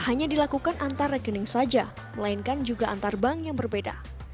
hanya dilakukan antar rekening saja melainkan juga antar bank yang berbeda